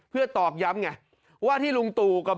เพื่อตอกย้ำไงว่าที่ลุงตู่กับ